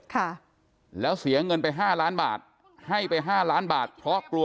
ค่ะแล้วเสียเงินไปล้านบาทให้ไปบาทเพราะกลัว